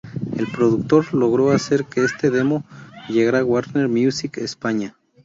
El productor, logró hacer que este demo llegara a Warner Music España.